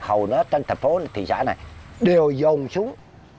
hầu hết trên thành phố thị xã này đều dồn xuống